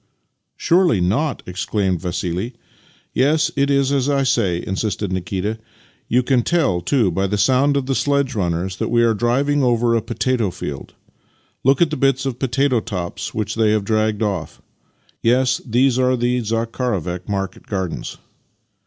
" Surely not? " exclaimed Vassili. " Yes, it is as I say," insisted Nikita. " You can tell, too, by the sound of the sledge runners that we are driving over a potato field. Look at the bits of potato tops which they have dragged off. Yes, these are the Zakharovek market gardens."